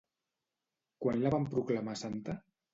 Quan la van proclamar santa?